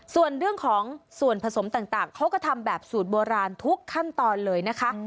ส่วนเรื่องของส่วนผสมต่างเขาก็ทำแบบสูตรโบราณทุกขั้นตอนเลยนะคะ